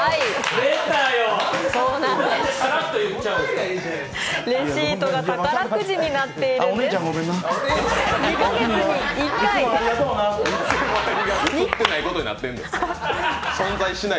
レシートが宝くじになっているんです。